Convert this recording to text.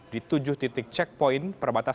di tujuh titik checkpoint perbatasan